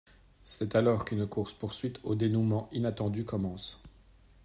C'est alors qu'une course poursuite au dénouement inattendu commence.